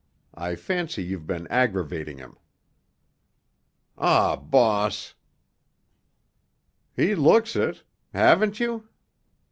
I fancy you've been aggravating him." "Aw, boss——" "He looks it. Haven't you?"